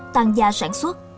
tăng gia sản xuất